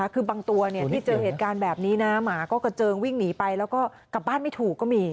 คือบางตัวที่เจอเหตุการณ์แบบนี้นะหมาก็กระเจิงวิ่งหนีไปแล้วก็กลับบ้านไม่ถูกก็มี